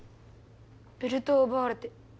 ベルトをうばわれて。